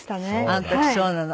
あの時そうなの。